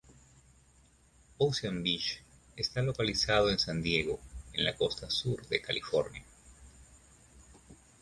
Ocean Beach está localizado en San Diego en la costa sur de California.